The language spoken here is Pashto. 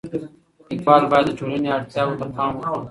لیکوال باید د ټولنې اړتیاو ته پام وکړي.